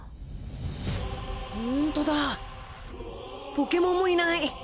ホントだポケモンもいない。